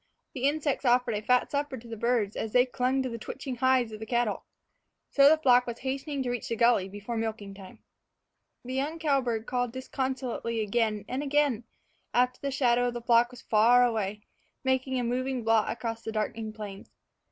The insects offered a fat supper to the birds as they clung to the twitching hides of the cattle. So the flock was hastening to reach the gully before milking time. The young cowbird called disconsolately again and again after the shadow of the flock was far away, making a moving blot across the darkening plains.